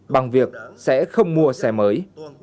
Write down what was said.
bằng việc sẽ không mua xe mới